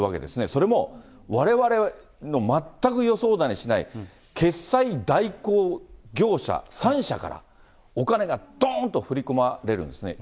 それもわれわれの全く予想だにしない、決済代行業者３社から、お金がどんと振り込まれるんですね。